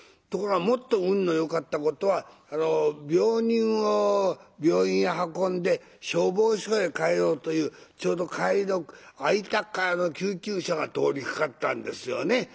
ところがもっと運のよかったことは病人を病院へ運んで消防署へ帰ろうというちょうど帰りの空いた空の救急車が通りかかったんですよね。